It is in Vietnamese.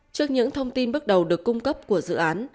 trước những thông tin bước đầu được cung cấp của dự án